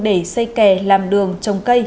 để xây kè làm đường trồng cây